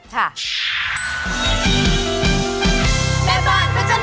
ค่ะค่ะ